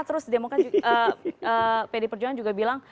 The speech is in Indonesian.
pedi perjuangan juga bilang